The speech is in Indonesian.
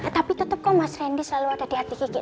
tapi tetap kok mas randy selalu ada di hati kiki